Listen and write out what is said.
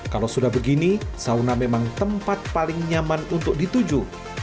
kalau sudah begini sauna memang tempat paling nyaman untuk dituju